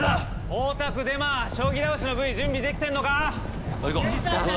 大田区デマ将棋倒しのＶ準備できてんのか？